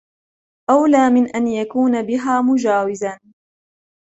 أَوْلَى مِنْ أَنْ يَكُونَ بِهَا مُجَاوِزًا